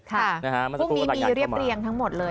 พรุ่งนี้มีเรียบเรียงทั้งหมดเลย